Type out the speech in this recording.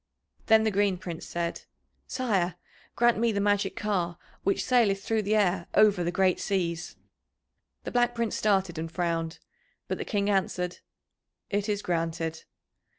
Then the Green Prince said: "Sire, grant me the magic car which saileth through the air over the great seas." The Black Prince started and frowned, but the King answered, "It is granted."